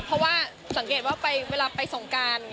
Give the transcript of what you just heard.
เพราะว่าสังเกตว่าเวลาไปสงการ